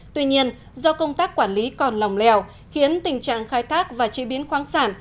tuy nhiên do công tác quản lý còn lòng lèo khiến tình trạng khai thác và chế biến khoáng sản